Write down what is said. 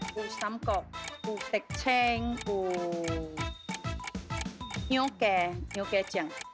มีสามกกมีเต็กเช้งมีเงี๊ยวแก่เงี๊ยวแก่เจียง